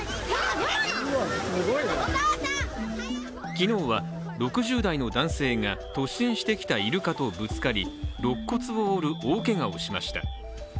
昨日は６０代の男性が突進してきたイルカとぶつかり、ろっ骨を折る大けがをしました。